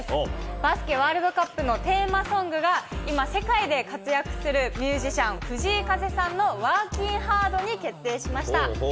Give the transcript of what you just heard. バスケワールドカップのテーマソングが、今、世界で活躍するミュージシャン、藤井風さんのワーキン・ハードに決定しました。